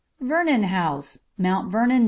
VERNON HOUSE, MT. VERNON, N.